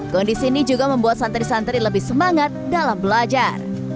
kondisi ini juga membuat santri santri lebih semangat dalam belajar